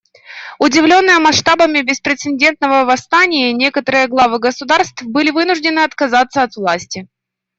Удивленные масштабами беспрецедентного восстания, некоторые главы государств были вынуждены отказаться от власти.